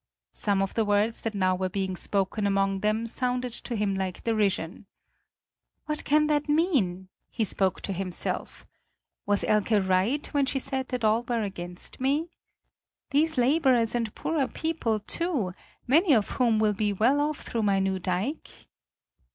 Some of the words that now were being spoken among them sounded to him like derision. "What can that mean?" he spoke to himself. "Was Elke right when she said that all were against me? These laborers and poorer people, too, many of whom will be well off through my new dike?"